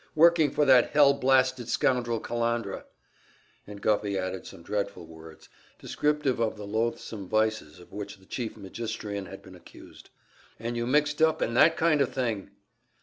Working for that hell blasted scoundrel Kalandra " and Guffey added some dreadful words, descriptive of the loathsome vices of which the Chief Magistrian had been accused. "And you mixed up in that kind of thing!"